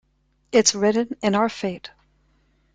Its written in our fate.